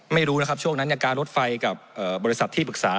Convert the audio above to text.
ไม่รู้นะครับช่วงนั้นการรถไฟกับบริษัทที่ปรึกษา